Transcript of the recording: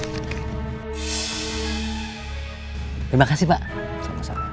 terima kasih pak